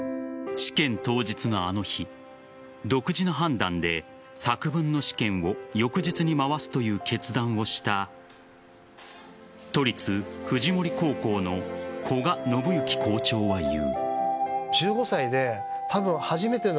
試験当日のあの日独自の判断で作文の試験を翌日に回すという決断をした都立富士森高校の古閑伸幸校長は言う。